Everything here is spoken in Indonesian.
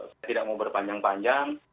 saya tidak mau berpanjang panjang